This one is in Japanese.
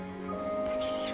武四郎。